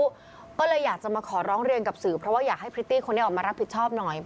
ก็เลยอยากจะมาขอร้องเรียนกับสื่อเพราะว่าอยากให้พริตตี้คนนี้ออกมารับผิดชอบหน่อย